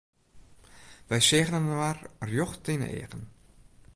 Wy seagen inoar rjocht yn 'e eagen.